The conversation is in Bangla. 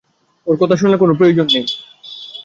ওর কথা শোনার কোন প্রয়োজন নেই।